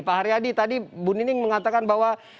pak haryadi tadi bu nining mengatakan bahwa